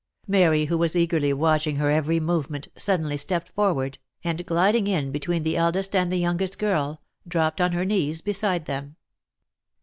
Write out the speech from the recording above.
Mary who was eagerly watching her every movement, suddenly stepped forward, and gliding in between the eldest and the youngest girl, dropped on her knees beside them.